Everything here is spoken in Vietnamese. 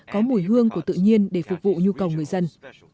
có mùi hương của tự nhiên để phục vụ nhu cầu người dân